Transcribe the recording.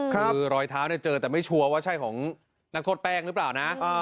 คือรอยเท้าเจอแต่ไม่ชัวร์ว่าใช่ของนักโทษแป้งหรือเปล่านะ